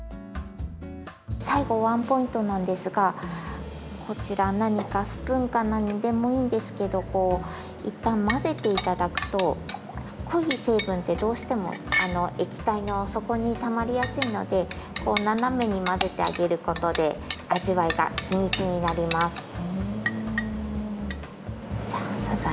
最後ワンポイントなんですがこちら何かスプーンかなんでもいいんですけどいったん混ぜていただくと濃い成分って、どうしても液体の底にたまりやすいので斜めに混ぜてあげることで味わいが均一になります。